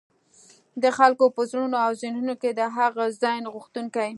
د خلګو په زړونو او ذهنونو کي د هغه ځان غوښتونکي